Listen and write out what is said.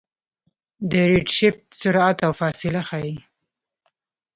د ریډشفټ سرعت او فاصله ښيي.